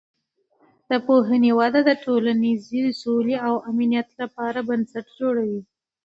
د پوهې وده د ټولنیزې سولې او امنیت لپاره بنسټ جوړوي.